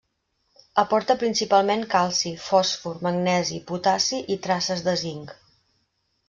Aporta principalment calci, fòsfor, magnesi, potassi i traces de zinc.